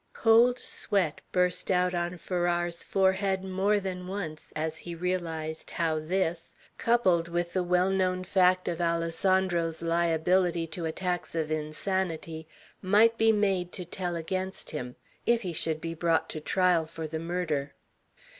Cold sweat burst out on Farrar's forehead, more than once, as he realized how this, coupled with the well known fact of Alessandro's liability to attacks of insanity, might be made to tell against him, if he should be brought to trial for the murder.